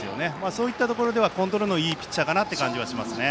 そういったところではコントロールのいいピッチャーという感じがしますね。